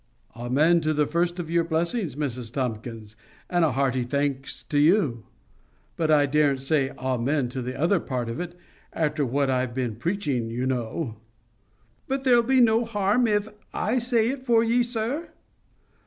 "Amen to the first of your blessing, Mrs Tomkins, and hearty thanks to you. But I daren't say AMEN to the other part of it, after what I've been preaching, you know." "But there'll be no harm if I say it for ye, sir?"